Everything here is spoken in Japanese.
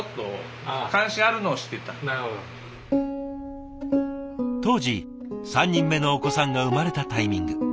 あとは当時３人目のお子さんが生まれたタイミング。